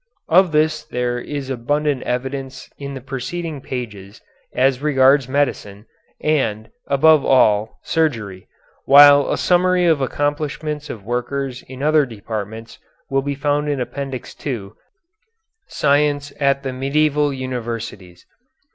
Of this there is abundant evidence in the preceding pages as regards medicine, and, above all, surgery, while a summary of accomplishments of workers in other departments will be found in Appendix II, "Science at the Medieval Universities."